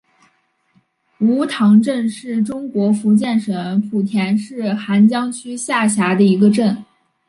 梧塘镇是中国福建省莆田市涵江区下辖的一个镇。